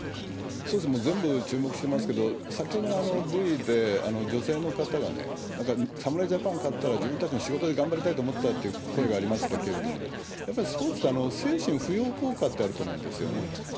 もう全部注目してますけど、先ほどのブイで、女性の方がね、なんか侍ジャパン勝ったら自分たちも仕事で頑張りたいと思ったら思ったっていう声がありましたけれども、やっぱりスポーツって、選手の浮揚効果ってあると思うんですよね。